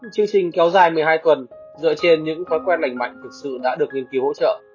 chương trình kéo dài một mươi hai tuần dựa trên những thói quen lành mạnh thực sự đã được nghiên cứu hỗ trợ